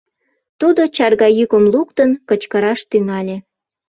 Тудо чарга йӱкым луктын, кычкыраш тӱҥале.